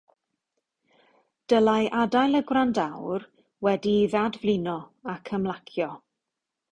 Dylai adael y gwrandäwr wedi'i ddadflino ac ymlacio.